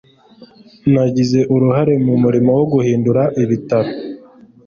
nagize uruhare mu murimo wo guhindura ibitabo